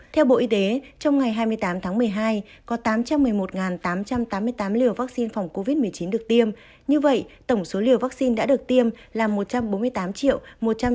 theo bộ y tế trong ngày hai mươi tám tháng một mươi hai có tám trăm một mươi một tám trăm tám mươi tám liều vaccine phòng covid một mươi chín được tiêm như vậy tổng số liều vaccine đã được tiêm là một trăm bốn mươi tám một trăm chín mươi tám tám trăm sáu mươi hai liều